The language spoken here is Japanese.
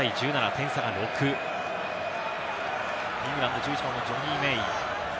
点差が６イングランド１１番のジョニー・メイ。